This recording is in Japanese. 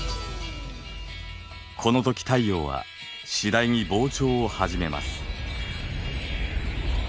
このとき太陽は次第に膨張を始めます。